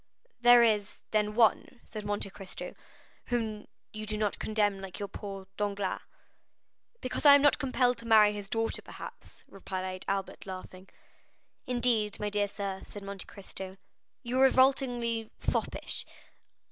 "There is, then, one," said Monte Cristo, "whom you do not condemn like poor Danglars?" "Because I am not compelled to marry his daughter perhaps," replied Albert, laughing. "Indeed, my dear sir," said Monte Cristo, "you are revoltingly foppish."